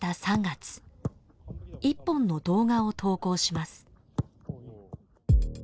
一本の動画を投稿します。